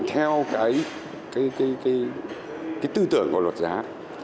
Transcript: bản theo cái tư tưởng của luật giá